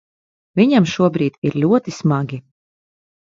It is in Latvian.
Viņam šobrīd ir ļoti smagi.